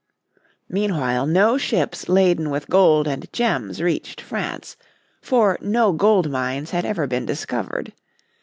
Meanwhile no ships laden with gold and gems reached France, for no gold mines had ever been discovered.